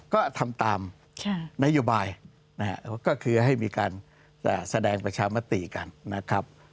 ก็ทำตามนโยบายนะฮะก็คือให้มีการแสดงประชามติกันนะครับ